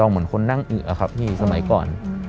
เหมือนคนนั่งอึครับพี่สมัยก่อน